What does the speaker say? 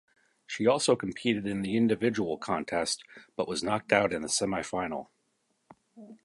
She also competed in the individual contest, but was knocked out in the semifinal.